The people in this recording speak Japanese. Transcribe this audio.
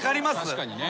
確かにね。